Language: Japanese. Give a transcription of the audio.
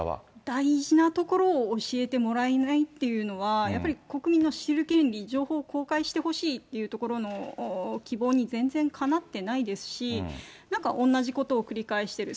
大事なところを教えてもらえないっていうのは、やっぱり国民の知る権利、情報を公開してほしいっていうところの希望に全然かなってないですし、なんか同じことを繰り返してる。